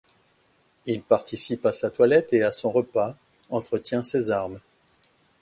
Il participe à sa toilette et à son repas, entretient ses armes.